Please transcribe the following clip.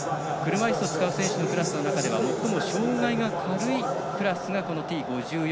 車いすを使う選手の中では最も障がいが軽いクラスがこのＴ５４。